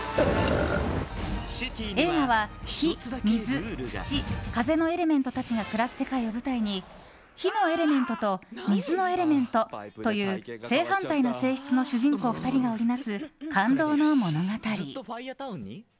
映画は火、水、土、風のエレメントたちが暮らす世界を舞台に火のエレメントと水のエレメントという正反対な性質の主人公２人が織りなす、感動の物語。